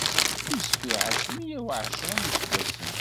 Yusef iɛac meyya uɛecṛa n iseggasen.